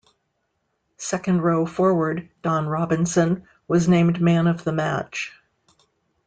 Second-row forward Don Robinson was named man of the match.